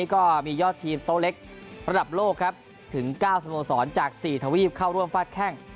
ก็มียอดทีมโต๊ะเล็กระดับโลกครับถึง๙สโมสรจาก๔ทวีปเข้าร่วมฟาดแข้ง